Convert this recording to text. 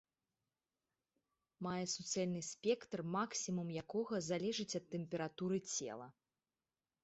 Мае суцэльны спектр, максімум якога залежыць ад тэмпературы цела.